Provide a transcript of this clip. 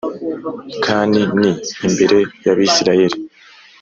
Kan ni imbere y abisirayeli